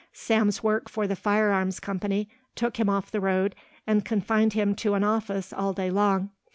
Sam's work for the firearms company took him off the road and confined him to an office all day long.